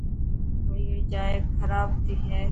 گڙي گڙي جائين خراب هي.